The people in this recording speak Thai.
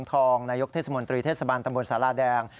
นายกทนยกถ้ำกฎรงการเทศสมนตรีเทศสมบันตำบลสาหร่าแดง